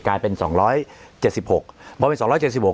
กลายเป็นสองร้อยเจ็ดสิบหกพอเป็นสองร้อยเจ็ดสิบหก